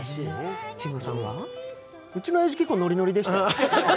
うちのおやじ、結構ノリノリでしたよ。